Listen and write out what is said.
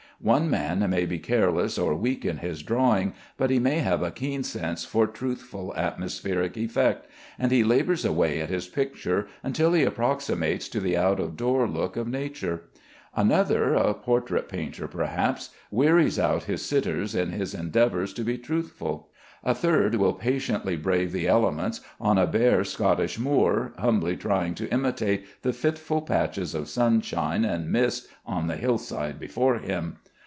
One man may be careless or weak in his drawing, but he may have a keen sense for truthful atmospheric effect, and he labors away at his picture until he approximates to the out of door look of nature; another (a portrait painter perhaps) wearies out his sitters in his endeavors to be truthful; a third will patiently brave the elements on a bare Scotch moor, humbly trying to imitate the fitful patches of sunshine and mist on the hillside before him.